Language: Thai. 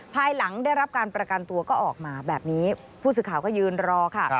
ภายหลังได้รับการประกันตัวก็ออกมาแบบนี้ผู้สื่อข่าวก็ยืนรอค่ะ